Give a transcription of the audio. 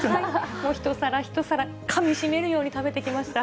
一皿一皿、かみしめるように食べてきました。